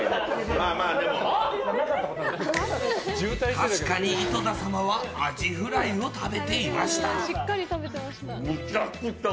確かに井戸田様はアジフライを食べていました。